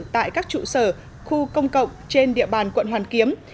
tại các trụ sở khu công cộng trên địa bàn quận hoàn kiếm